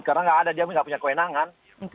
karena enggak ada dia enggak punya kewenangan